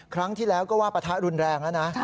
ครั้งที่แล้วก็ว่าปะทะรุนแรงแล้วนะ